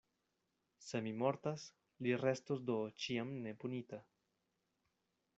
Se mi mortas, li restos do ĉiam nepunita.